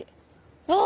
ああ！